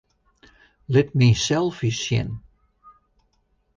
Lit myn selfies sjen.